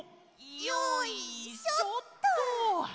よいしょっと！